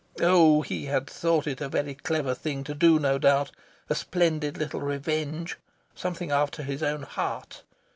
Oh, he had thought it a very clever thing to do, no doubt a splendid little revenge, something after his own heart!